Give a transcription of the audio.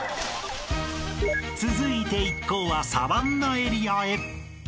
［続いて一行はサバンナエリアへ］